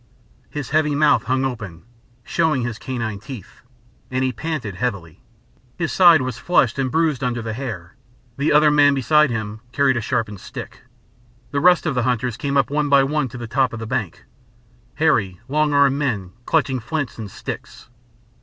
His heavy mouth hung open, showing his canine teeth, and he panted heavily. His side was flushed and bruised under the hair. The other man beside him carried a sharpened stick. The rest of the hunters came up one by one to the top of the bank, hairy, long armed men clutching flints and sticks.